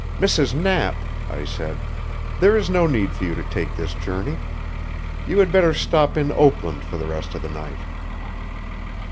"Mrs. Knapp," I said; "there is no need for you to take this journey. You had better stop in Oakland for the rest of the night."